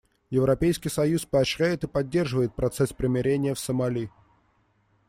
Европейский союз поощряет и поддерживает процесс примирения в Сомали.